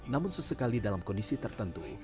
namun sesekali dalam kondisi tertentu